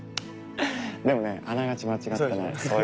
でもねあながち間違ってない。